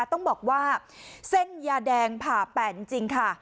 ต้องบอกว่าเส้นยาแดงผ่าแปดจริงค่ะ